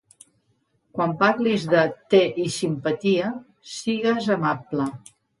Quan parlis de "Té i simpatia", sigues amable.